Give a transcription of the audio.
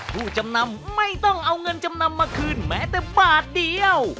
ผู้จำนำไม่ต้องเอาเงินจำนำมาคืนแม้แต่บาทเดียว